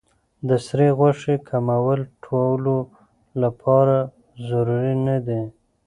د سرې غوښې کمول ټولو لپاره ضروري نه دي.